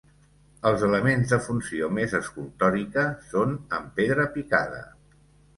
Els elements de funció més escultòrica són en pedra picada.